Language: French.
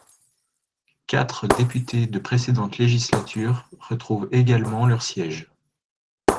Quatre députés de précédentes législatures retrouvent également leurs sièges.